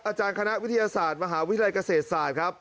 อาจารย์คณะวิทยาศาสตร์มหาวิทยาลัยเกษตรศาสตร์ครับ